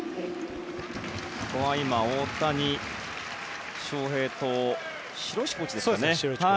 ここは今大谷翔平と城石コーチですかね。